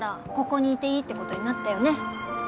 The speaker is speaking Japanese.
ここにいていいってことになったよね？